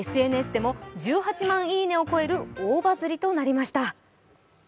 ＳＮＳでも１８万いいねを超える大バズりとなりました。